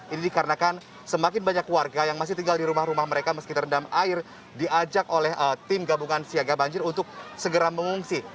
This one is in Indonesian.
ini dikarenakan semakin banyak warga yang masih tinggal di rumah rumah mereka meski terendam air diajak oleh tim gabungan siaga banjir untuk segera mengungsi